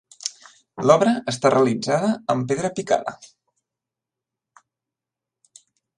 L'obra està realitzada amb pedra picada.